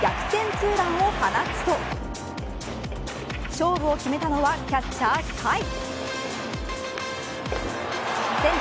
ツーランを放つと勝負を決めたのはキャッチャー甲斐。